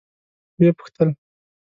ويې پوښتل.